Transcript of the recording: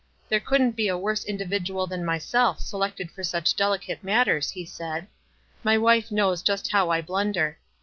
" There couldn't be a worse individual than myself selected for such delicate matters," he said. "My wife knows just how I blunder.